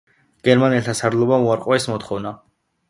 გერმანელთა სარდლობამ უარყო ეს მოთხოვნა.